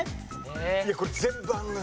いやこれ全部あるのよ。